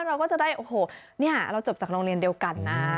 เราก็จะได้โอ้โหเนี่ยเราจบจากโรงเรียนเดียวกันนะ